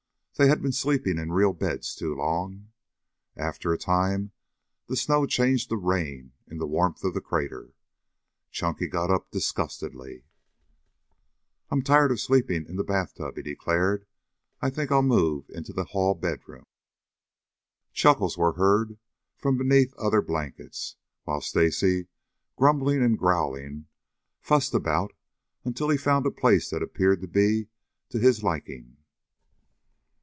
They had been sleeping in real beds too long. After a time the snow changed to rain in the warmth of the crater. Chunky got up disgustedly. "I'm tired of sleeping in the bath tub," he declared. "Think I'll move into the hall bedroom." Chuckles were heard from beneath other blankets, while Stacy, grumbling and growling, fussed about until he found a place that appeared to be to his liking.